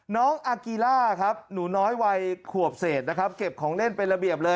น้องอากีล่าครับหนูน้อยวัยขวบเศษนะครับเก็บของเล่นเป็นระเบียบเลย